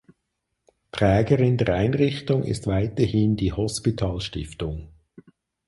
Trägerin der Einrichtung ist weiterhin die Hospitalstiftung.